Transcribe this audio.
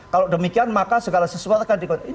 kalau demikian maka segala sesuatu akan dikonsumsi